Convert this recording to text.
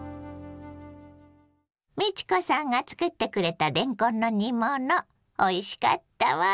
美智子さんが作ってくれたれんこんの煮物おいしかったわ。